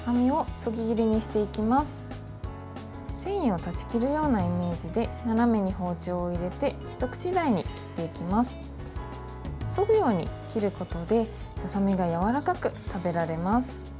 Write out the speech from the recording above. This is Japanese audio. そぐように切ることでささみがやわらかく食べられます。